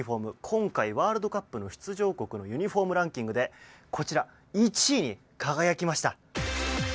今回ワールドカップの出場国ユニホームランキングでこちら、１位に輝きました。